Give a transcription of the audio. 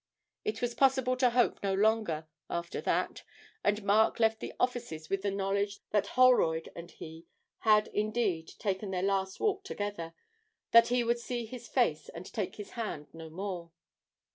It was possible to hope no longer after that, and Mark left the offices with the knowledge that Holroyd and he had indeed taken their last walk together; that he would see his face and take his hand no more.